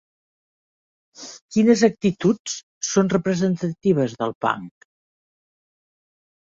Quines actituds són representatives del punk?